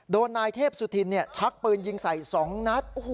นายเทพสุธินชักปืนยิงใส่๒นัด